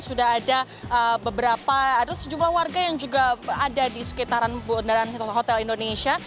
sudah ada beberapa ada sejumlah warga yang juga ada di sekitaran bundaran hotel indonesia